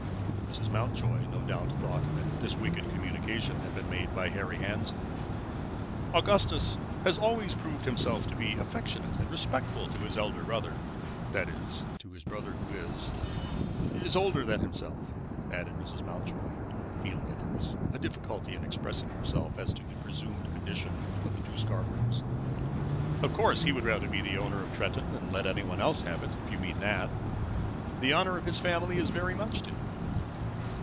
Mrs. Mountjoy no doubt thought that this wicked communication had been made by Harry Annesley. "Augustus has always proved himself to be affectionate and respectful to his elder brother, that is, to his brother who is is older than himself," added Mrs. Mountjoy, feeling that there was a difficulty in expressing herself as to the presumed condition of the two Scarboroughs, "Of course he would rather be owner of Tretton than let any one else have it, if you mean that. The honor of the family is very much to him."